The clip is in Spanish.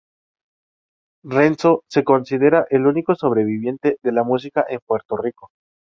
Renzo se considera el único sobreviviente de la música en Puerto Rico.